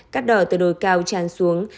cắt đỏ từ đồi cao tràn xuống